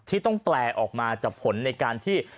ที่ต้องแปลออกมาจากผลในการที่